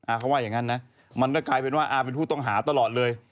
เขาว่าอย่างนั้นนะมันก็กลายเป็นว่าอาเป็นผู้ต้องหาตลอดเลย